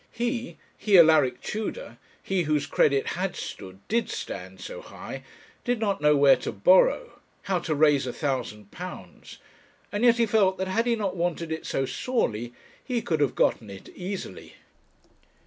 He, he, Alaric Tudor, he, whose credit had stood, did stand, so high, did not know where to borrow, how to raise a thousand pounds; and yet he felt that had he not wanted it so sorely, he could have gotten it easily.